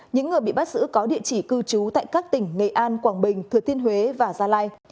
những người bị bắt giữ có địa chỉ cư trú tại các tỉnh nghệ an quảng bình thừa thiên huế và gia lai